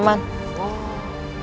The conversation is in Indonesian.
mengugurkan dosa kita paman